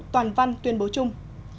toàn văn tuyên bố chung